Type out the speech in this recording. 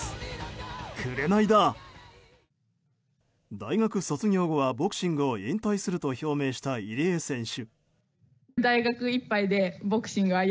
大学卒業後はボクシングを引退すると表明した、入江選手。